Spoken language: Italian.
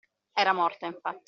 Era morta, infatti.